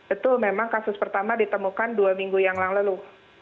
itu memang kasus pertama ditemukan dua minggu yang lalu